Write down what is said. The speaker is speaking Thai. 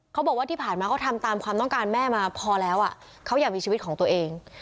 เขาบอกว่าที่ผ่านมาเขาทำตามความต้องการแม่มาพอแล้วเขาอยากมีชีวิตของตัวเอง